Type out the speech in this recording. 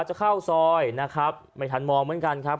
จะเข้าซอยนะครับไม่ทันมองเหมือนกันครับ